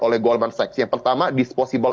oleh goldman sachs yang pertama disposable